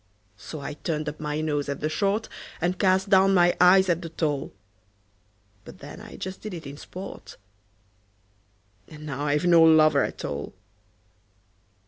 So I turned up my nose at the short, And cast down my eyes at the tall; But then I just did it in sport And now I've no lover at all!